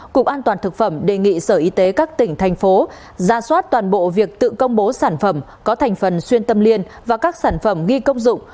cục an toàn thực phẩm đề nghị sở y tế các tỉnh thành phố ra soát toàn bộ việc tự công bố sản phẩm có thành phần xuyên tâm liên và các sản phẩm nghi công dụng